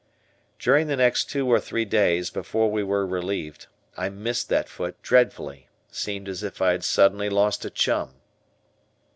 During the next two or three days, before we were relieved, I missed that foot dreadfully, seemed as if I had suddenly lost a chum.